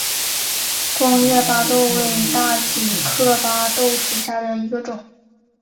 光叶巴豆为大戟科巴豆属下的一个种。